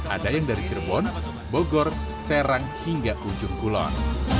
ada yang dari cirebon bogor serang hingga ujung kulon